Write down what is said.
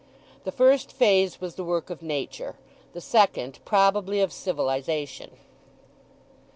The first phase was the work of Nature, the second probably of civilization.